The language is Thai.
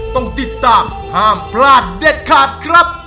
ต้องติดตามห้ามพลาดเด็ดขาดครับ